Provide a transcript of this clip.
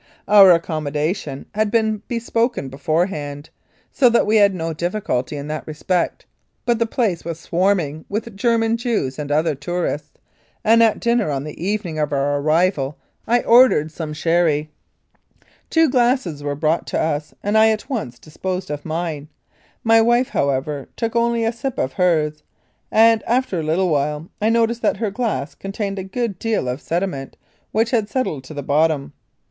Our accommodation had been bespoken beforehand, so that we had no difficulty in that respect, but the place was swarming with German Jews and other tourists, and at dinner on the evening of our arrival I ordered some sherry. Two glasses were brought to us, and I at once disposed of mine. My wife, however, took only a sip of hers, and, after a little while, I noticed that her glass contained a good deal of sedi ment, which had settled at the bottom.